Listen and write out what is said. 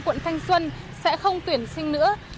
quận thanh xuân sẽ không tuyển sinh nữa